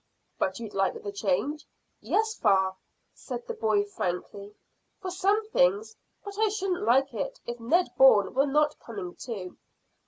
"But you'd like the change?" "Yes, fa," said the boy frankly, "for some things. But I shouldn't like it if Ned Bourne were not coming too."